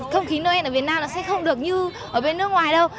không khí noel ở việt nam nó sẽ không được như ở bên nước ngoài đâu